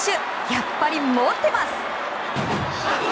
やっぱり持ってます！